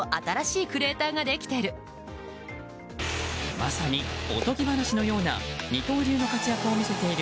まさにおとぎ話のような二刀流の活躍を見せている